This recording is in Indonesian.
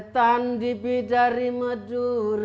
pada saat mengopi pakai masker untuk dimanjir